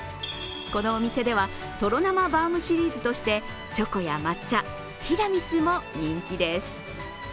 このお店では、とろなまバウムシリーズとしてチョコや抹茶、ティラミスも人気です。